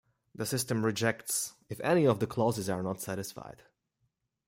The system rejects if any of the clauses are not satisfied.